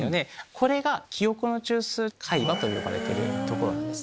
これが記憶の中枢海馬と呼ばれている所です。